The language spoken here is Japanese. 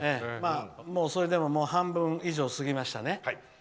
でも、もう半分以上過ぎましたね。